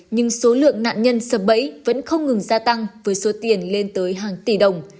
nhưng số lượng nạn nhân sập bẫy vẫn không ngừng gia tăng với số tiền lên tới hàng tỷ đồng